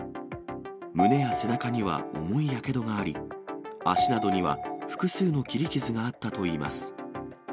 胸や背中には重いやけどがあり、脚などには複数の切り傷があったといいます。